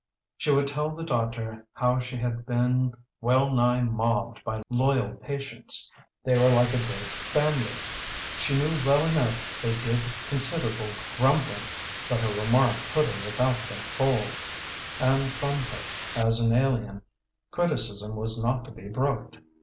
She would tell the doctor how she had been well nigh mobbed by loyal patients. They were like a great family; she knew well enough they did considerable grumbling, but her remark put her without the fold, and from her as an alien, criticism was not to be brooked.